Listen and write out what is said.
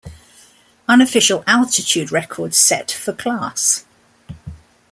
Unofficial altitude record set for class.